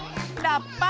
ラッパ。